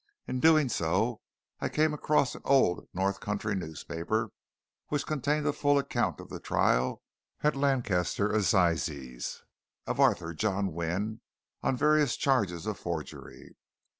In doing so I came across an old North country newspaper which contained a full account of the trial at Lancaster Assizes of Arthur John Wynne on various charges of forgery.